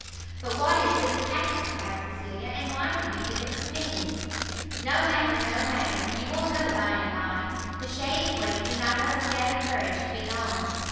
"But what is this packet?" cried Cecilia, "and why do you give it to me?" "No matter, no matter, you will know by and by; the chaise waits, and I must gather courage to be gone."